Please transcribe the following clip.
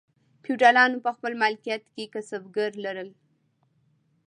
فیوډالانو په خپل مالکیت کې کسبګر لرل.